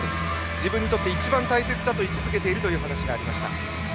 自分にとって一番大切だと位置づけているという話がありました。